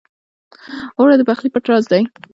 اوړه د پخلي پټ راز دی